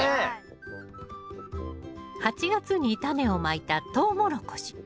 ８月にタネをまいたトウモロコシ。